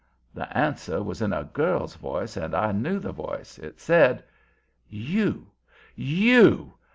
The answer was in a girl's voice, and I knew the voice. It said: "You! YOU!